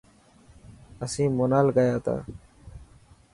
اسين مونال گياتا.